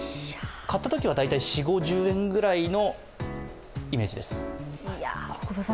買ったときは４０５０円くらいのイメージです。